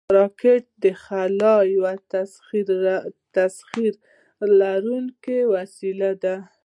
راکټ د خلا یو تسخیر کوونکی وسیله ده